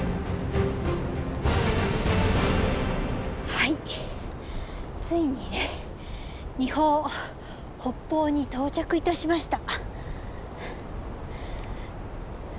はいついにねⅡ峰北峰に到着いたしました。